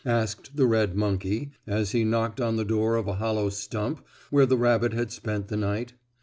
asked the red monkey, as he knocked on the door of a hollow stump where the rabbit had spent the night.